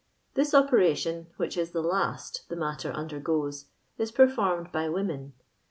This operation, which is the last the matter undergoes^ is peiformcHl by women.